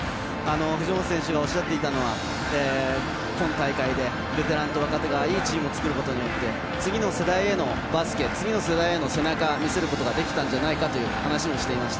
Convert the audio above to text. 藤本選手がおっしゃっていたのは今大会でベテランと若手がいいチームを作ることによって次の世代へのバスケ次の世代への背中見せることができたんじゃないかと話していました。